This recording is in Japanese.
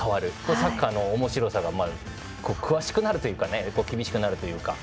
サッカーのおもしろさが詳しくなるというか厳しくなるというか。